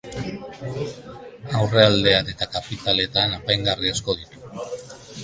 Aurrealdean eta kapiteletan apaingarri asko ditu.